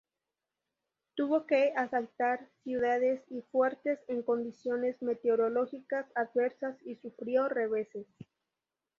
Tuvo que asaltar ciudades y fuertes en condiciones meteorológicas adversas y sufrió reveses.